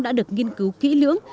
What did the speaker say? đã được nghiên cứu kỹ lưỡng